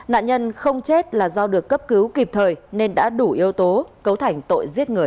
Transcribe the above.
nạn nhân không chết là do được cấp cứu kịp thời nên đã đủ yếu tố cấu thành tội giết người